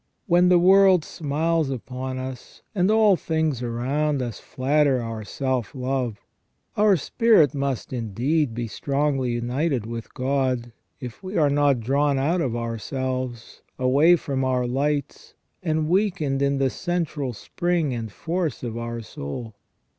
When the world smiles upon us, and all things around us flatter our self love, our spirit must indeed be strongly united with God, if we are not drawn out of ourselves, away from our lights, and weakened in the central spring and force of our soul.